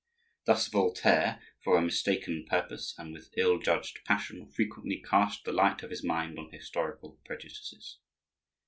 Thus Voltaire, for a mistaken purpose and with ill judged passion, frequently cast the light of his mind on historical prejudices.